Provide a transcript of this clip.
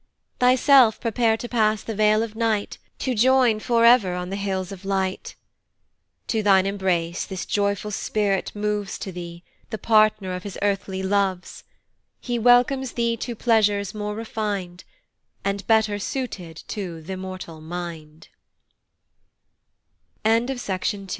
Thyself prepare to pass the vale of night To join for ever on the hills of light: To thine embrace this joyful spirit moves To thee, the partner of his earthly loves; He welcomes thee to pleasures more refin'd, And better suited to